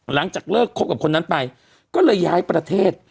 หลังจากเลิกคบกับคนนั้นไปก็เลยย้ายประเทศ